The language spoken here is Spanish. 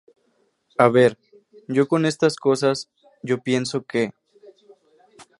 a ver, yo con estas cosas, yo pienso que